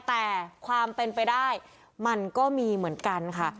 แต่ความเป็นไปได้มันก็มีเหมือนกันค่ะ